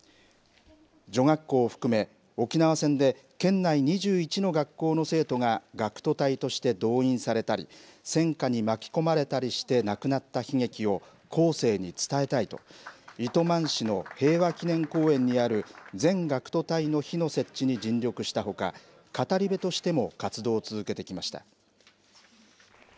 女学校を含め、沖縄戦で県内２１の学校の生徒が学徒隊として動員されたり戦火に巻き込まれたりして亡くなった悲劇を後世に伝えたいと糸満市の平和祈念公園にある全学徒隊の碑の設置に尽力したほか語り部としても活動を続けてきました。